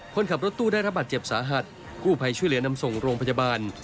คนขับรถตู้ได้รับบาดเจ็บสาหัสกู้ภัยช่วยเหลือนำส่งโรงพยาบาล